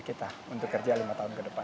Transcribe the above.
kita untuk kerja lima tahun ke depan